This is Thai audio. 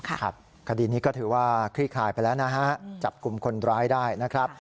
คดีนี้ก็ถือว่าคลี่คลายไปแล้วนะฮะจับกลุ่มคนร้ายได้นะครับ